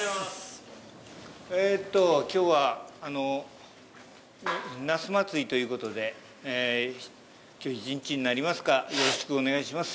えっと今日はナスまつりということで今日一日になりますがよろしくお願いします。